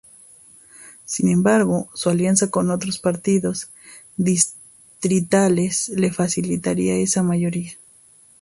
Sin embargo, su alianza con otros partidos distritales le facilitaría esa mayoría.